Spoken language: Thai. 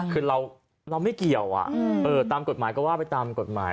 คือเราไม่เกี่ยวตามกฎหมายก็ว่าไปตามกฎหมาย